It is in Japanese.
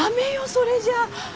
それじゃあ。